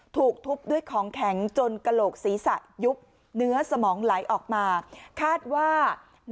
ถูกทุบด้วยของแข็งจนกระโหลกศีรษะยุบเนื้อสมองไหลออกมาคาดว่า